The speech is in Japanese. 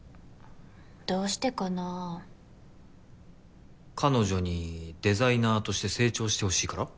どうしてかな彼女にデザイナーとして成長してほしいから？